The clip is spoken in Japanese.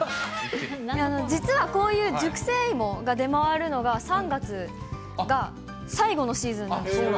実はこういう熟成芋が出回るのが３月が最後のシーズンなんです。